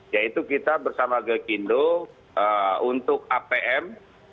yaitu kita bersama gekindo untuk apm